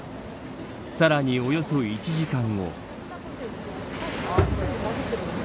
さらにおよそ１時間後。